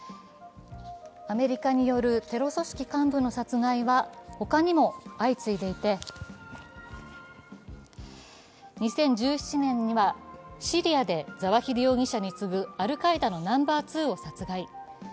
アメリカによるテロ組織幹部の殺害は他にも相次いでいて、２０１７年には、シリアでザワヒリ容疑者に次ぐアルカイダのナンバー２を殺害。